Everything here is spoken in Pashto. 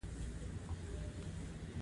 هغه د منظر په سمندر کې د امید څراغ ولید.